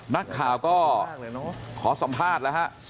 นักข่าวก็ขอสัมภาษณ์แล้วฮะ